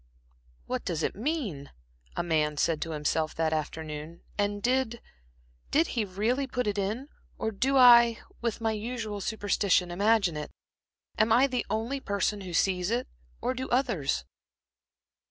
"What does it mean," a man said to himself that afternoon, "and did really put it in, or do I, with my usual superstition, imagine it? Am I the only person who sees it, or do others?"